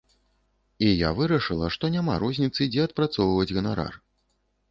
І я вырашыла, што няма розніцы, дзе адпрацоўваць ганарар.